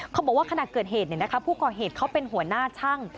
เขาบอกว่าขณะเกิดเหตุผู้ก่อเหตุเขาเป็นหัวหน้าช่าง